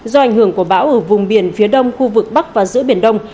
do ảnh hưởng của bão ở vùng biển phía đông khu vực bắc và giữa biển đông